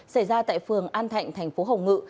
xảy ra tại phường an thạnh thành phố hồng ngự